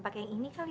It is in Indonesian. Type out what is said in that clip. nah gini gini